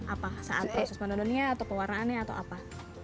apa saat proses menenunnya atau pewarnaannya atau apa